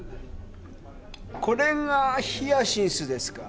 これがヒヤシンスですか。